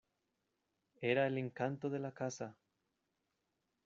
Era el encanto de la casa.